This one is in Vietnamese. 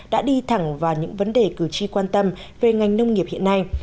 đã đi thẳng vào những vấn đề cử tri quan tâm về ngành nông nghiệp hiện nay